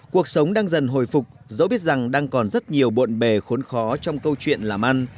cuộc sống đang dần hồi phục dẫu biết rằng đang còn rất nhiều bộn bề khốn khó trong câu chuyện làm ăn